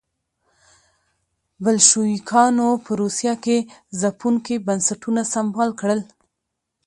بلشویکانو په روسیه کې ځپونکي بنسټونه سمبال کړل.